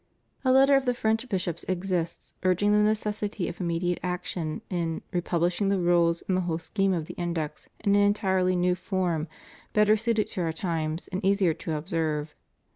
A letter of the French bishops exists urging the necessity of immediate action in "repubhshing the rules and the whole scheme of the Index in an entirely new form, better suited to our times and easier to observe."